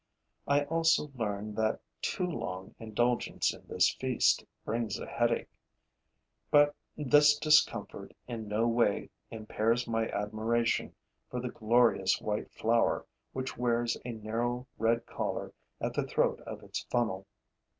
I also learn that too long indulgence in this feast brings a headache; but this discomfort in no way impairs my admiration for the glorious white flower, which wears a narrow red collar at the throat of its funnel.